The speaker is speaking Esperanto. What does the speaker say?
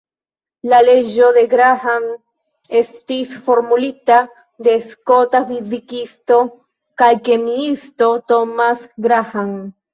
La leĝo de Graham estis formulita de skota fizikisto kaj kemiisto Thomas Graham.